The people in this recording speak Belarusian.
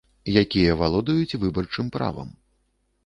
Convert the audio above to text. Якія валодаюць выбарчым правам.